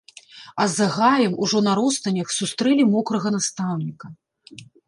А за гаем, ужо на ростанях сустрэлі мокрага настаўніка.